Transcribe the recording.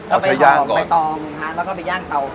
เอาไปย่างใบตองแล้วก็ไปย่างเตา